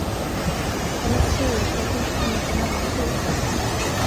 Han är sur för att vi inte kom in på en annan klubb.